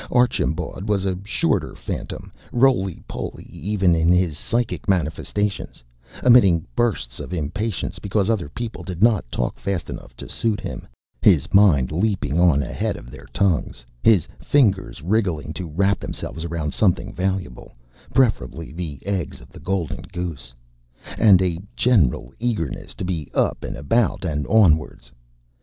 Archambaud was a shorter phantom, rolypoly even in his psychic manifestations, emitting bursts of impatience because other people did not talk fast enough to suit him, his mind leaping on ahead of their tongues, his fingers wriggling to wrap themselves around something valuable preferably the eggs of the golden goose and a general eagerness to be up and about and onwards.